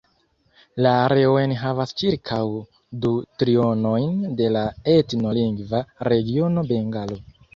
La areo enhavas ĉirkaŭ du trionojn de la etno-lingva regiono Bengalo.